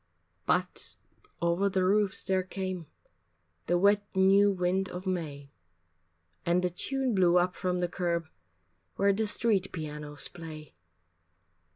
But over the roofs there came The wet new wind of May, And a tune blew up from the curb Where the street pianos play.